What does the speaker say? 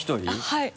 はい。